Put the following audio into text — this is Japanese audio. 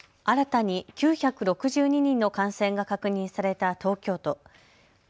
新たに９６２人の感染が確認された東京都。